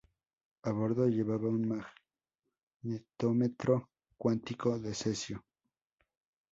A bordo llevaba un magnetómetro cuántico de cesio.